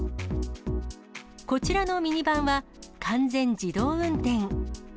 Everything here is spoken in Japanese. こちらのミニバンは、完全自動運転。